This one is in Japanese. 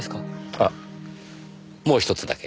あもうひとつだけ。